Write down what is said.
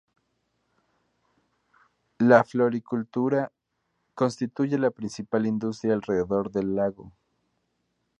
La floricultura constituye la principal industria alrededor del lago.